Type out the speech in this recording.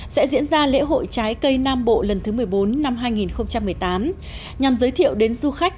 sẽ diễn ra lễ hội trái cây nam bộ lần thứ một mươi bốn năm hai nghìn một mươi tám nhằm giới thiệu đến du khách